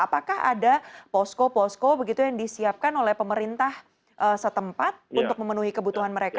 apakah ada posko posko begitu yang disiapkan oleh pemerintah setempat untuk memenuhi kebutuhan mereka